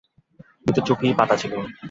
দুটো চৌকিই পাতা ছিল।